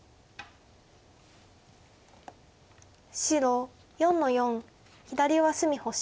白４の四左上隅星。